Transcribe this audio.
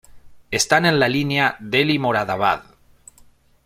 Están en la línea Delhi-Moradabad.